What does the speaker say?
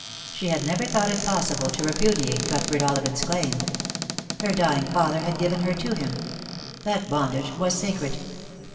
She had never thought it possible to repudiate Cuthbert Ollivant's claim. Her dying father had given her to him. That bondage was sacred.